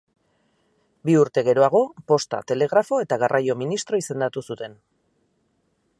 Bi urte geroago Posta, Telegrafo eta Garraio ministro izendatu zuten.